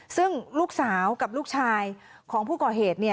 ซึ่งลูกสาวกับลูกชายของผู้ก่อเหตุ